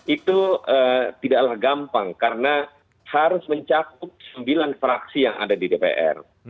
itu tidaklah gampang karena harus mencakup sembilan fraksi yang ada di dpr